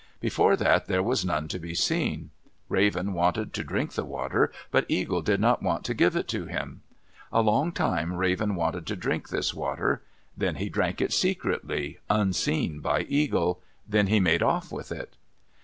Before that there was none to be seen. Raven wanted to drink the water, but Eagle did not want to give it to him. A long time Raven wanted to drink this water. Then he drank it secretly, unseen by Eagle. Then he made off with it.